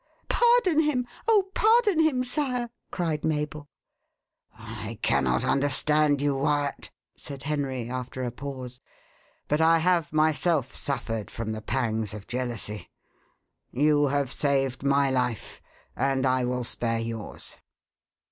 "Pardon him! oh, pardon him, sire," cried Mabel. "I cannot understand you, Wyat," said Henry, after a pause; "but I have myself suffered from the pangs of jealousy. You have saved my life, and I will spare yours."